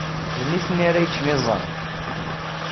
D nitni ara yeččen iẓẓan.